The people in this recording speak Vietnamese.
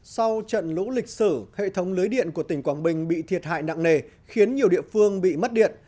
sau trận lũ lịch sử hệ thống lưới điện của tỉnh quảng bình bị thiệt hại nặng nề khiến nhiều địa phương bị mất điện